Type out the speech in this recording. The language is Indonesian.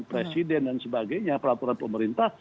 presiden dan sebagainya peraturan pemerintah